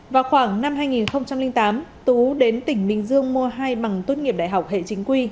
vào khoảng năm hai nghìn tám tú đến tỉnh bình dương mua hai bằng tốt nghiệp đại học hệ chính quy